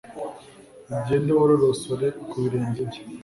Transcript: ugende worosore ku birenge bye